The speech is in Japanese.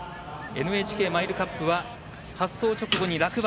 ＮＨＫマイルカップは発走直後に落馬。